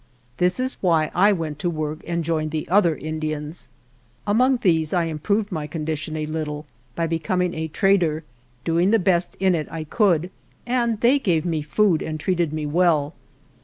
This is why I went to work and joined the other Indians. Among these I improved my condition a little by becoming a trader, doing the best in it I could, and they gave me food and treated me well.